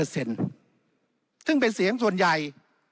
ซึ่งเป็นเสียงส่วนใหญ่